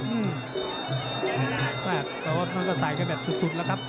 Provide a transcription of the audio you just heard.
ถือว่ามันก็สายแบบสุดแล้วครับ